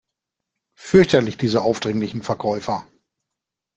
Fürchterlich, diese aufdringlichen Verkäufer!